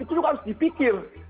itu juga harus dipikir